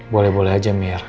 boleh boleh aja mir